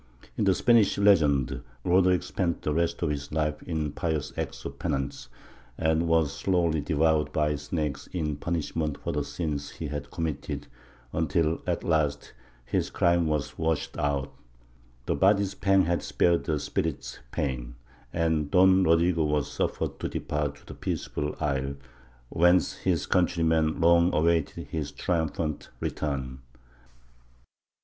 In the Spanish legends, Roderick spent the rest of his life in pious acts of penance, and was slowly devoured by snakes in punishment for the sins he had committed, until at last his crime was washed out, "the body's pang had spared the spirit's pain," and "Don Rodrigo" was suffered to depart to the peaceful isle, whence his countrymen long awaited his triumphant return.